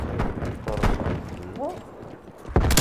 Qerrsen-d fell-aɣ?